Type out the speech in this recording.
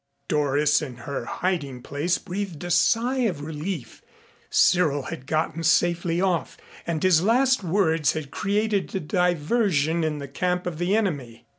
Doris in her hiding place breathed a sigh of relief. Cyril had gotten safely off, and his last words had created a diversion in the camp of the enemy.